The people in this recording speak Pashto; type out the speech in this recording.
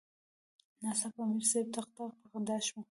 ناڅاپه امیر صېب ټق ټق پۀ خندا شۀ ـ